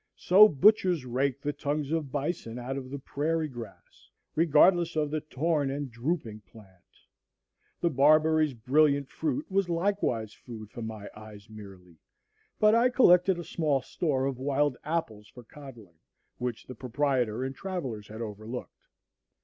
So butchers rake the tongues of bison out of the prairie grass, regardless of the torn and drooping plant. The barberry's brilliant fruit was likewise food for my eyes merely; but I collected a small store of wild apples for coddling, which the proprietor and travellers had overlooked.